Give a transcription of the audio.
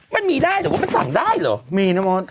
มันมีได้หรอมันสั่งได้หรอมีนะโมน